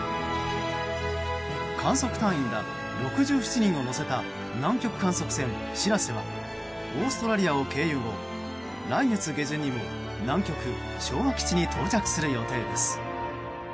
観測隊員ら６７人を乗せた南極観測船「しらせ」はオーストラリアを経由後来月下旬にも南極・昭和基地に到着する予定です。